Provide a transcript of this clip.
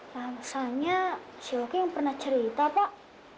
nah misalnya si hoki yang pernah cerita pak